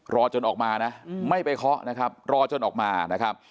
รอจนออกมานะไม่ไปเคาะนะครับรอจนออกมานะครับ